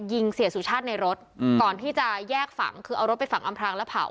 ยิงเสียสุชาติในรถก่อนที่จะแยกฝังคือเอารถไปฝังอำพรางและเผา